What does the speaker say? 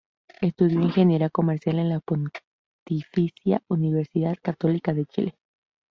Estudió ingeniería comercial en la Pontificia Universidad Católica de Chile.